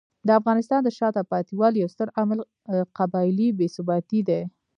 د افغانستان د شاته پاتې والي یو ستر عامل قبایلي بې ثباتي دی.